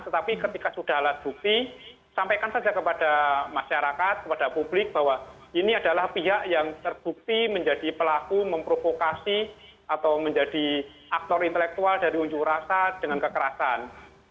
jadi ketika sudah alat bukti sampaikan saja kepada masyarakat kepada publik bahwa ini adalah pihak yang terbukti menjadi pelaku memprovokasi atau menjadi aktor intelektual dari unjuk rasa dengan kekerasan